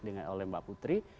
dengan oleh mbak putri